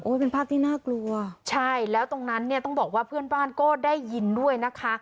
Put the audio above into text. เป็นภาพที่น่ากลัวใช่แล้วตรงนั้นเนี่ยต้องบอกว่าเพื่อนบ้านก็ได้ยินด้วยนะคะ